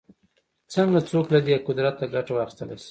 څنګه څوک له دې قدرته ګټه واخیستلای شي